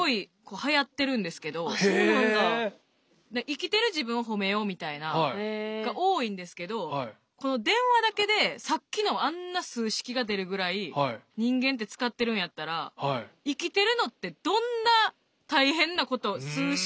生きてる自分をほめようみたいなのが多いんですけどこの電話だけでさっきのあんな数式が出るぐらい人間って使ってるんやったらと思って。